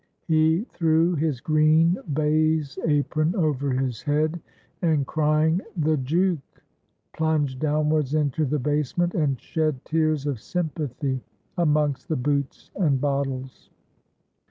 —he threw his green baize apron over his head, and crying, "The jook!" plunged downwards into the basement, and shed tears of sympathy amongst the boots and bottles.